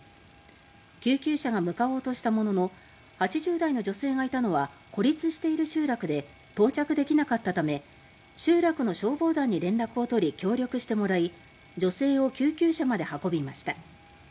救急車が向かおうとしたものの８０代の女性がいたのは孤立している集落で到着できなかったため集落の消防団に連絡を取り協力してもらい女性を救急車まで運びました。